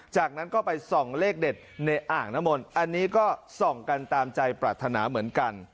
จากนั้นก็ไปส่องเลขเด็ดในอ่างน้ำมนต์อันนี้ก็ส่องกันตามใจปรารถนาเหมือนกัน